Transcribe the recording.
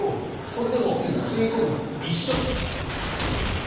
これでも吸い込むのは一緒。